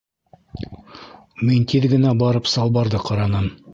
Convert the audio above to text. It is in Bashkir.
Мин тиҙ генә барып салбарҙы ҡараным.